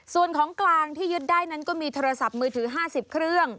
ส่วนของกลางที่ยึดได้นั้นก็มีโทรศัพท์มือถือ๕๐เครื่อง